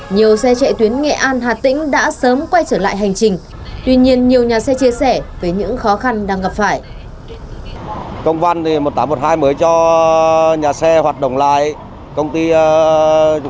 nhiều xe chạy tuyến nghệ an hà tĩnh đã sớm quay trở lại hành trình